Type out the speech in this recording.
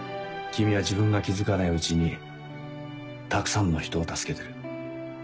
君は自分が気付かないうちにたくさんの人を助けてる。